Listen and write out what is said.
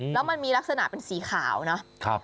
แล้วมันมีลักษณะเป็นสีขาวเนาะ